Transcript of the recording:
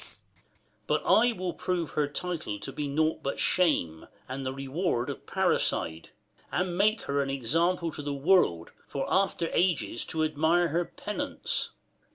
But I will prove her title to be nought But shame, and the reward of parricide ; And make her an example to the world, 105 For after ages to admire her penance.